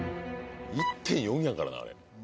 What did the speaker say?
１．４やからなあれ。